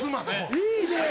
いいね。